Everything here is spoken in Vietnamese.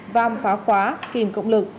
vàm phá khóa kìm cộng lực